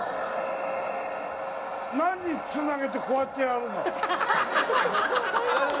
何につなげてこうやってやるの？